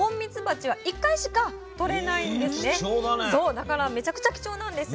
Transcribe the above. だからめちゃくちゃ貴重なんです。